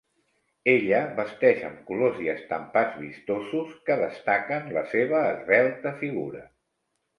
Ella vesteix amb colors i estampats vistosos, que destaquen la seva esvelta figura.